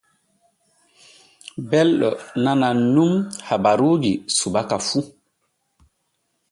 Belɗo anŋan nun habaruuji subaka fu.